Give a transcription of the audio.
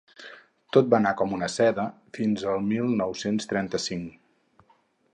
Tot va anar com una seda fins al mil nou-cents trenta-cinc.